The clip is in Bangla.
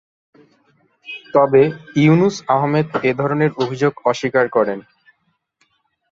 তবে, ইউনুস আহমেদ এ ধরনের অভিযোগ অস্বীকার করেন।